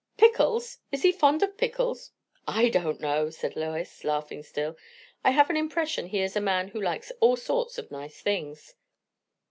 "Pickles! Is he fond of pickles?" "I don't know!" said Lois, laughing still. "I have an impression he is a man who likes all sorts of nice things."